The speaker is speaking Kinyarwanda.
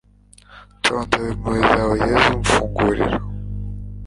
nsonzeye impuhwe zawe yezu mfungurira